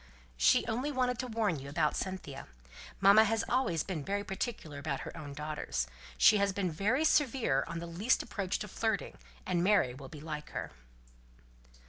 "She only wanted to warn you about Cynthia. Mamma has always been very particular about her own daughters. She has been very severe on the least approach to flirting, and Mary will be like her!"